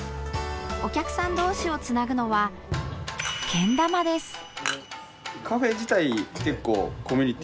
お客さん同士をつなぐのはけん玉です。